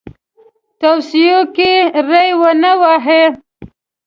توصیو کې ری ونه واهه.